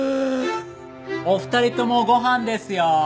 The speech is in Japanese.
お二人ともご飯ですよ。